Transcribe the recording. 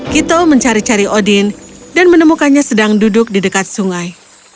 kito mencari cari odin dan menemukannya sedang duduk di dekat sungai